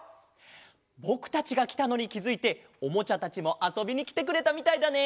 ぼくたちがきたのにきづいておもちゃたちもあそびにきてくれたみたいだね！